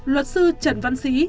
luật sư trần văn sĩ